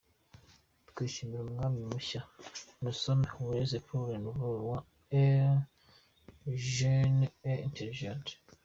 Twishimiye Umwami mushya Nous sommes heureux pour le nouveau roi est jeune et intelligent